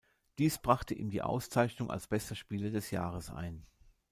Dies brachte ihm die Auszeichnung als bester Spieler des Jahres ein.